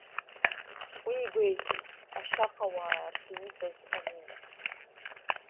Уи игәеиҭеит ашьаҟауаа рзы иҵаз амина.